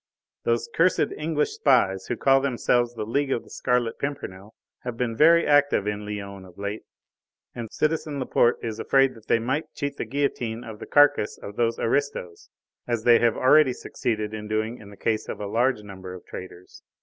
Those cursed English spies who call themselves the League of the Scarlet Pimpernel have been very active in Lyons of late, and citizen Laporte is afraid that they might cheat the guillotine of the carcase of those aristos, as they have already succeeded in doing in the case of a large number of traitors."